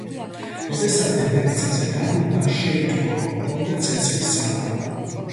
როდესაც დედამიწაზე დაბრუნდა, შეიტყო, რომ ჰქონდა ცეცხლის ძალა.